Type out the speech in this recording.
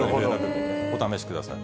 お試しください。